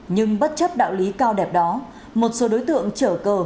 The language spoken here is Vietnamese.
nhưng bất chấp đạo lý cao đẹp đó một số đối tượng trở cơ